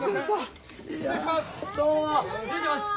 失礼します！